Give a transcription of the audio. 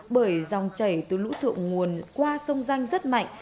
bởi dòng chảy từ lũ thượng nguồn qua sông danh rất mạnh